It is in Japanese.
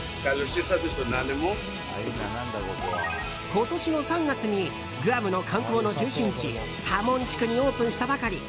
今年の３月にグアムの観光の中心地タモン地区にオープンしたばかり。